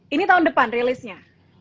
ini tahun depan rilisnya